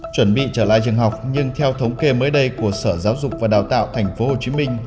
chuẩn bị trở lại trường học nhưng theo thống kê mới đây của sở giáo dục và đào tạo tp hcm